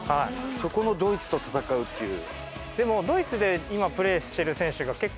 そこのドイツと戦うっていう。